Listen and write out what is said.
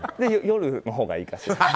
夜のほうがいいかしら？